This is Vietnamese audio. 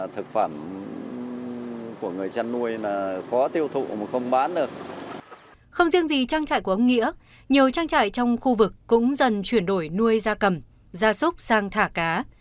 trang trại của ông nghĩa nhiều trang trại trong khu vực cũng dần chuyển đổi nuôi ra cầm ra súc sang thả cá